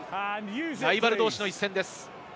ライバル同士の一戦です。